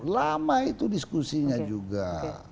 lama itu diskusinya juga